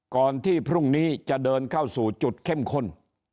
ก่อนที่พรุ่งนี้จะเดินเข้าสู่จุดเข้มข้น